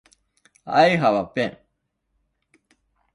I have a pen.